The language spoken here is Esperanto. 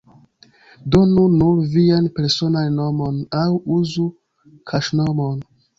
Donu nur vian personan nomon, aŭ uzu kaŝnomon.